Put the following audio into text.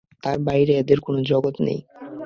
তার বাইরে এদের কোনো জগৎ নেই।